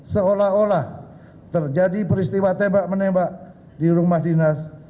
seolah olah terjadi peristiwa tembak menembak di rumah dinas